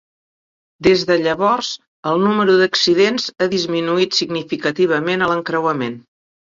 Des de llavors, el número d'accidents ha disminuït significativament a l'encreuament.